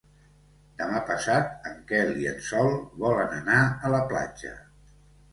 Demà passat en Quel i en Sol volen anar a la platja.